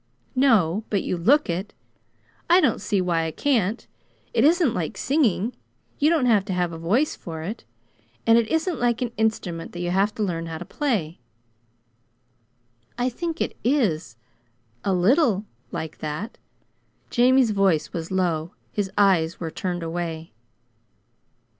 "No; but you look it. I don't see why I can't. It isn't like singing. You don't have to have a voice for it. And it isn't like an instrument that you have to learn how to play." "I think it is a little like that." Jamie's voice was low. His eyes were turned away.